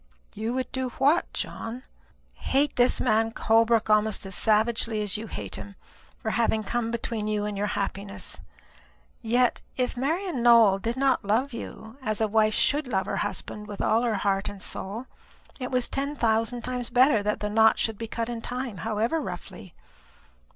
"You would do what, John?" "Hate this man Holbrook almost as savagely as you hate him, for having come between you and your happiness. Yet, if Marian Nowell did not love you as a wife should love her husband, with all her heart and soul it was ten thousand times better that the knot should be cut in time, however roughly.